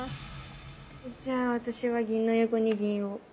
じゃあ私は銀の横に銀を。